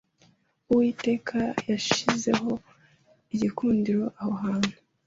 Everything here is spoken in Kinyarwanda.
Uwiteka yanshyizeho igikundiro aho hantu,